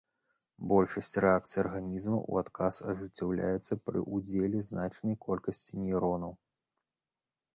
Большасць рэакцый арганізма ў адказ ажыццяўляецца пры ўдзеле значнай колькасці нейронаў.